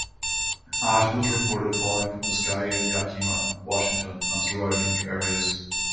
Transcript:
Ash was reported falling from the sky in Yakima, Washington, and surrounding areas.